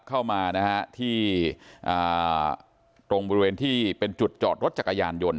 เข้ามานะฮะที่ตรงบริเวณที่เป็นจุดจอดรถจักรยานยนต